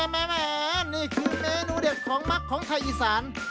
แม่นี่คือเมนูเด็ดของมักของไทยอีสาน